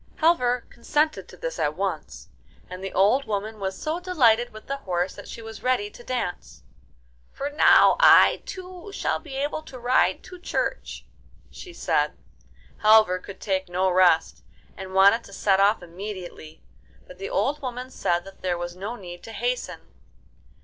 Halvor consented to this at once, and the old woman was so delighted with the horse that she was ready to dance. 'For now I, too, shall be able to ride to church,' she said. Halvor could take no rest, and wanted to set off immediately; but the old woman said that there was no need to hasten.